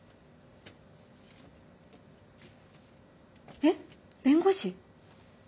えっ弁護士？